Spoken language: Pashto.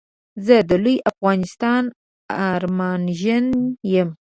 زه د لوي افغانستان ارمانژن يم